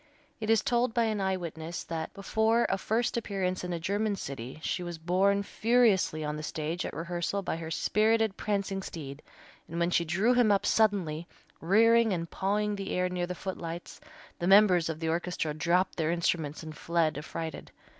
It is told by an eye witness that before a first appearance in a German city she was borne furiously on the stage at rehearsal by her spirited, prancing steed, and when she drew him up suddenly, rearing and pawing the air, near the footlights, the members of the orchestra dropped their instruments and fled affrighted.